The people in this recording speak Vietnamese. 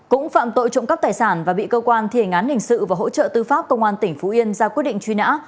cũng phạm tội trộm cắp tài sản và bị cơ quan thi hành án hình sự và hỗ trợ tư pháp công an tỉnh phú yên ra quyết định truy nã